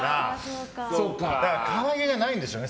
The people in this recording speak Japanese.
だから可愛げがないんでしょうね。